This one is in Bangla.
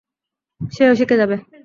সেও শিখে যাবে।